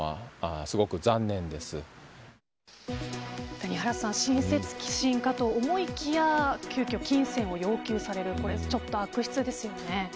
谷原さん、親切心かと思いきや急きょ金銭を要求されるって悪質ですよね。